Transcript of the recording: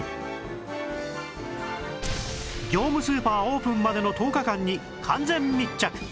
業務スーパーオープンまでの１０日間に完全密着！